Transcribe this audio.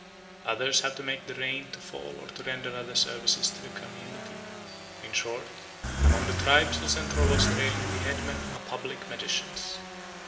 Others have to make the rain to fall or to render other services to the community. In short, among the tribes of Central Australia the headmen are public magicians.